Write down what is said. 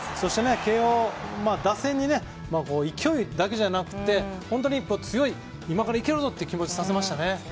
慶応、打線に勢いだけじゃなくて、今からいけるぞという気持ちにさせましたね。